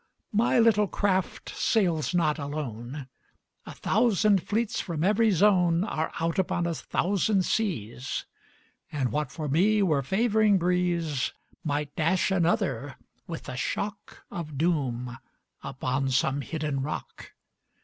My little craft sails not alone: A thousand fleets from every zone Are out upon a thousand seas; And what for me were favoring breeze Might dash another, with the shock Of doom, upon some hidden rock.